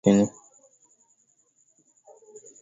mtoto anayeugua malaria anahitaji chakula chenye lishe